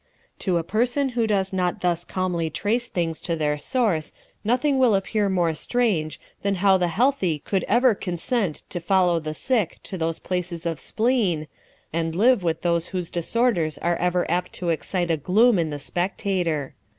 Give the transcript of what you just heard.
To a person who does not thus calmly trace things to their source, nothing will appear more strange, than how the healthy could ever consent to follow the sick to those places of spleen, and live with those whose disorders are ever apt to excite a gloom in the spectator.